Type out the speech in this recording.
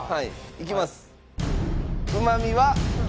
いきます。